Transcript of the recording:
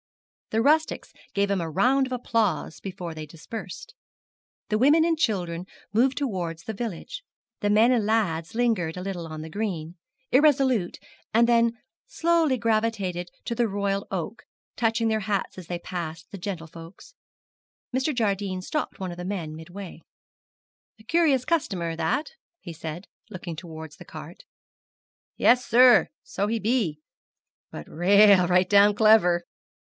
The rustics gave him a round of applause before they dispersed. The women and children moved towards the village; the men and lads lingered a little on the green, irresolute, and then slowly gravitated to the 'Royal Oak,' touching their hats as they passed the gentlefolks. Mr. Jardine stopped one of the men midway. 'A curious customer that,' he said, looking towards the cart. 'Yes, sir, so he be; but rale right down clever.'